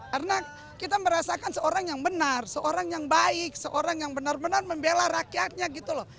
karena kita merasakan seorang yang benar seorang yang baik seorang yang benar benar membela rakyatnya gitu loh